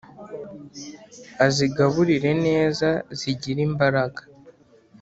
azigaburire neza zigire imbaraga